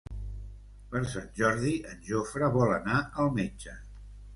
Per Sant Jordi en Jofre vol anar al metge.